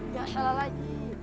gak salah lagi